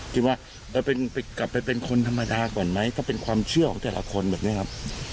คิดว่ากลับไปเป็นคนธรรมดาก่อนไหมถ้าเป็นความเชื่อของแต่ละคนแบบนี้ครับ